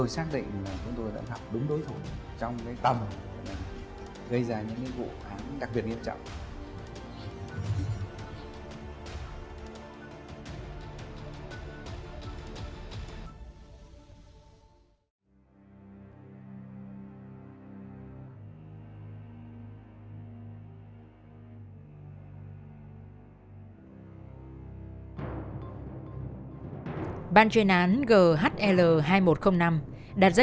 xin chào và hẹn gặp lại